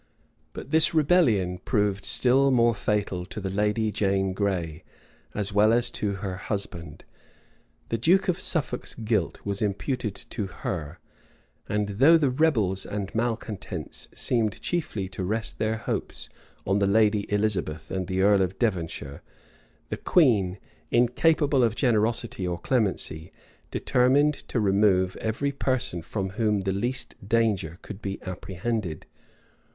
But this rebellion proved still more fatal to the lady Jane Gray, as well as to her husband: the duke of Suffolk's guilt was imputed to her; and though the rebels and malecontents seemed chiefly to rest their hopes on the lady Elizabeth and the earl of Devonshire, the queen, incapable of generosity or clemency, determined to remove every person from whom the least danger could be apprehended.